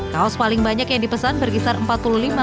kaos paling banyak yang dipesan itu kaos yang diberikan oleh pemerintah